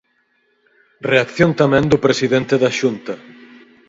Reacción tamén do presidente da Xunta.